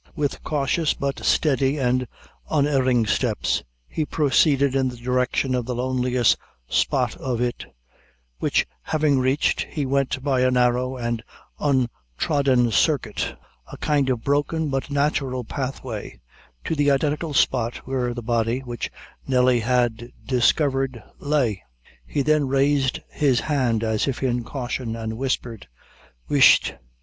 With cautious, but steady and unerring steps, he proceeded in the direction of the loneliest spot of it, which having reached, he went by a narrow and untrodden circuit a kind of broken, but natural pathway to the identical spot where the body, which Nelly had discovered, lay. He then raised his hand, as if in caution, and whispered "Whisht!